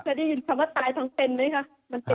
ได้ยินคำว่าตายทั้งเป็นไหมคะ